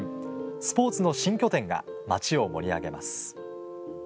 スポーツの新拠点が町を盛り上げます。